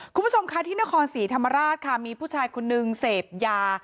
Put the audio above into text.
คุณผู้ชมค่ะที่นครศรีธรรมราชค่ะมีผู้ชายคนนึงเสพยา